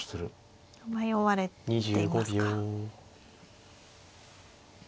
迷われていますか。